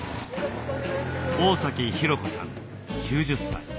大崎博子さん９０歳。